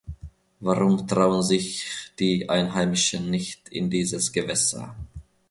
Warum trauen sich die Einheimischen nicht in dieses Gewässer?